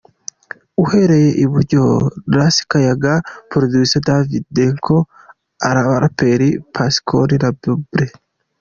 Uhereye i Buryo, Ras Kayaga, Producer DavyDenko, Abaraperi Pacson na Bably.